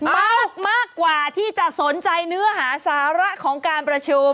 มากกว่าที่จะสนใจเนื้อหาสาระของการประชุม